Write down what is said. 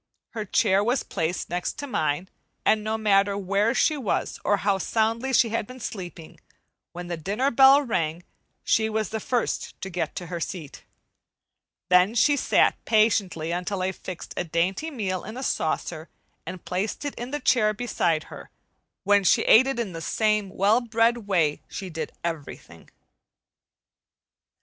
Her chair was placed next to mine, and no matter where she was or how soundly she had been sleeping, when the dinner bell rang she was the first to get to her seat. Then she sat patiently until I fixed a dainty meal in a saucer and placed it in the chair beside her, when she ate it in the same well bred way she did everything.